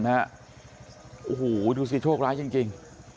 โอโหทูวิวสิโชคร้ายจริง